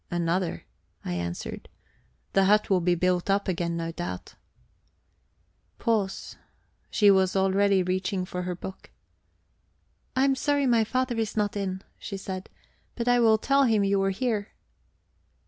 "Another," I answered. "The hut will be built up again, no doubt." Pause. She was already reaching for her book. "I am sorry my father is not in," she said. "But I will tell him you were here."